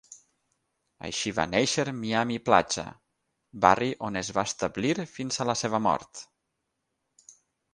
Així va néixer Miami Platja, barri on es va establir fins a la seva mort.